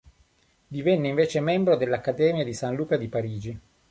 Divenne invece membro dell'Accademia di San Luca di Parigi.